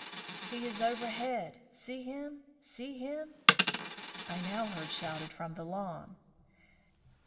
"He is overhead! See him see him!" I now heard shouted from the lawn.